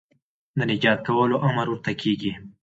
د نجات کولو امر ورته کېږي